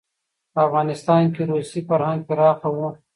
په افغانستان کې روسي فرهنګ پراخه و.